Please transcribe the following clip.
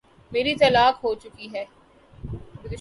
میری طلاق ہو چکی ہے۔